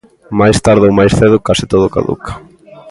Máis tarde ou máis cedo, case todo caduca.